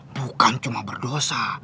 bukan cuma berdosa